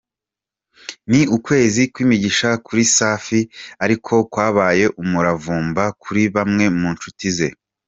Ni ukwezi kw’imigisha kuri Safi ariko kwabaye umuravumba kuri bamwe mu nshuti ze.